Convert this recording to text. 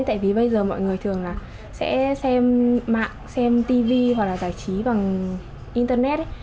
tại vì bây giờ mọi người thường là sẽ xem mạng xem tv hoặc là giải trí bằng internet